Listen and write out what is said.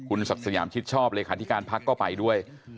คุณศักดิ์สยามชิดชอบเลยค่ะที่การพักก็ไปด้วย